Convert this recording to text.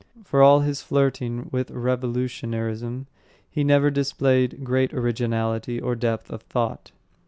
For all his flirting with revolutionarism, he never displayed great originality or depth of thought.